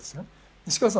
西川さん